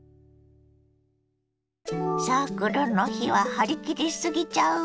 サークルの日は張り切り過ぎちゃうわね。